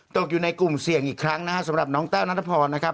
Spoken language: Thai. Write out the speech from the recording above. ตกอยู่ในกลุ่มเสี่ยงอีกครั้งนะครับสำหรับน้องแท้วน้าทศพ